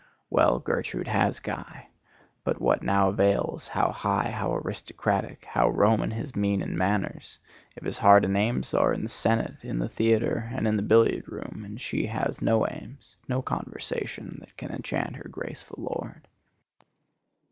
Well, Gertrude has Guy; but what now avails how high, how aristocratic, how Roman his mien and manners, if his heart and aims are in the senate, in the theatre and in the billiard room, and she has no aims, no conversation that can enchant her graceful lord?